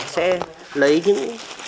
sẽ lấy những